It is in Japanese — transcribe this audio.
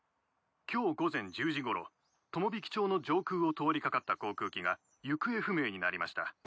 今日午前１０時ごろ友引町の上空を通り掛かった航空機が行方不明になりました。